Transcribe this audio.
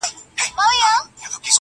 ولیکه اسمانه د زمان حماسه ولیکه،